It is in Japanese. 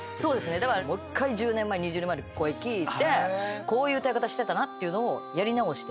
だからもう１回１０年前２０年前の声聴いてこういう歌い方してたなというのをやり直して。